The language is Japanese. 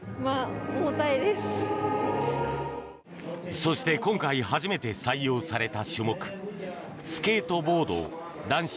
そして今回初めて採用された種目スケートボード男子